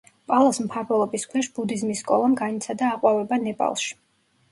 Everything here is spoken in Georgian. პალას მფარველობის ქვეშ ბუდიზმის სკოლამ განიცადა აყვავება ნეპალში.